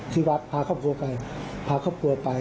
ที่วัดพาครอบครัวไปพาครอบครัวไป